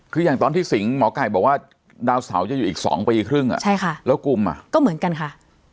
คืออย่างตอนที่สิงห์หมอไก่บอกว่าดาวเสาจะอยู่อีก๒ปีครึ่งอ่ะใช่ค่ะแล้วกลุ่มอ่ะก็เหมือนกันค่ะ